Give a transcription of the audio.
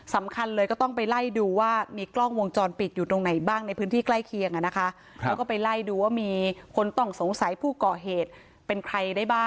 สวัสดีค่ะ